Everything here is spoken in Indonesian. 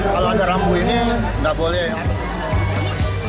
kalau ada rambu ini nggak boleh ya